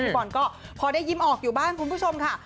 บอลก็พอได้ยิ้มออกอยู่บ้างคุณผู้ชมค่ะ